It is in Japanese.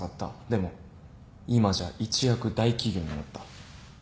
でも今じゃ一躍大企業になった。